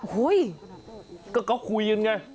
เฮ้ย